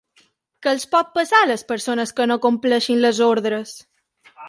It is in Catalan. Què els pot passar a les persones que no compleixin les ordres?